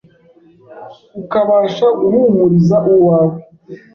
ukabasha guhumuriza uwawe